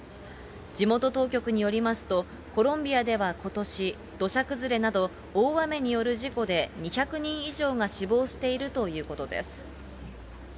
地元当局によりますと、コロンビアではことし、土砂崩れなど、大雨による事故で２００人以上が死亡しているということです。